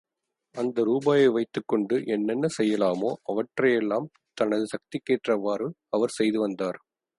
அந்த ரூபாயை வைத்துக் கொண்டு என்னென்ன செய்யலாமோ அவற்றையெல்லாம் தனது சக்திக்கேற்றவாறு அவர் செய்துவந்தார்.